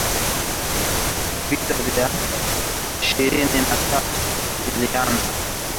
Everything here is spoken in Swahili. Vita vya M ishirini na tatu vilianza mwaka elfu mbili na kumi na mbili